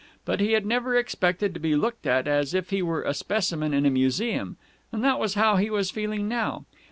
But he had never expected to be looked at as if he were a specimen in a museum, and that was how he was feeling now.